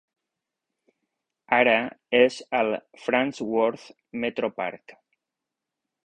Ara és al Fransworth Metropark.